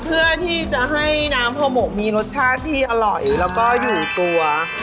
เพื่อที่จะให้น้ำห่อหมกมีรสชาติที่อร่อยแล้วก็อยู่ตัว